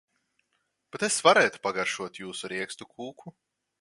Bet es varētu pagaršotjūsu riekstu kūku.